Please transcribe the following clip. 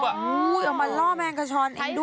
เอามาล่อแมงกระชอนเองด้วย